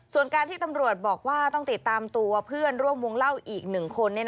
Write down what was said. ส่วนการที่ตำรวจบอกว่าต้องติดตามตัวเพื่อนร่วมวงเล่าอีก๑คน